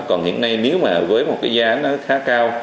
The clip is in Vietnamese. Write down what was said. còn hiện nay nếu mà với một cái giá nó khá cao